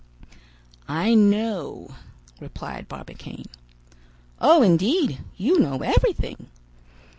"I know," replied Barbicane. "Oh, indeed! you know everything."